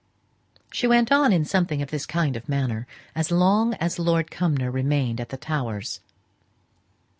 She went on in something of this kind of manner as long as Lord Cumnor remained at the Towers.